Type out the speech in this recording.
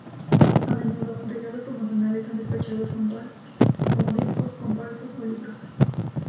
A menudo, regalos promocionales son despachados junto a "Q", como discos compactos o libros.